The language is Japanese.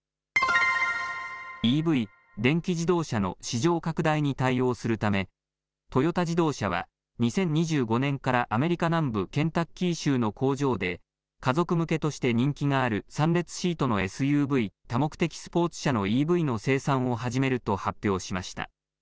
ＥＶ・電気自動車の市場拡大に対応するためトヨタ自動車は２０２５年からアメリカ南部ケンタッキー州の工場で家族向けとして人気がある３列シートのＳＵＶ・多目的スポーツ車のＥＶの生産を始めると発表しました。